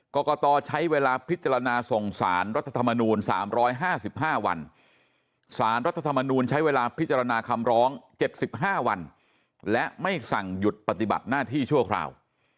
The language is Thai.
กรกตใช้เวลาพิจารณาส่งสารรัฐธรรมนูล๓๕๕วันสารรัฐธรรมนูญใช้เวลาพิจารณาคำร้อง๗๕วันและไม่สั่งหยุดปฏิบัติหน้าที่ชั่วคราว